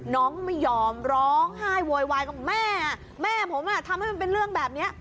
น้องก็ไม่ยอมร้องไห้โวยวายของแม่แม่ผมอ่ะทำให้มันเป็นเรื่องแบบนี้